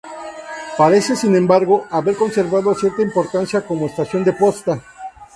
Parece, sin embargo, haber conservado cierta importancia como estación de posta.